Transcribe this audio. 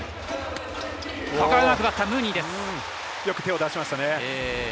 よく手を出しましたね。